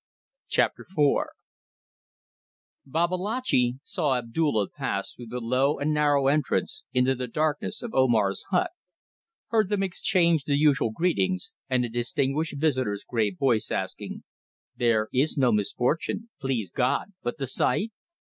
CHAPTER FOUR Babalatchi saw Abdulla pass through the low and narrow entrance into the darkness of Omar's hut; heard them exchange the usual greetings and the distinguished visitor's grave voice asking: "There is no misfortune please God but the sight?"